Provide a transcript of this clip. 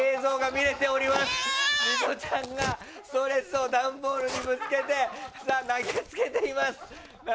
ミトちゃんがストレスを段ボールにぶつけて投げつけています。